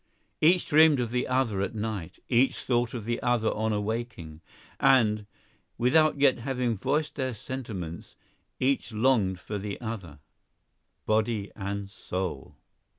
Each dreamed of the other at night, each thought of the other on awaking, * and, without yet having voiced their sentiments, each longing for the other, body and soul.